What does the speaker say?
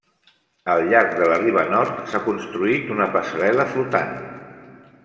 Al llarg de la riba nord s'ha construït una passarel·la flotant.